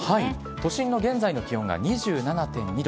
都心の現在の気温が２７．２度。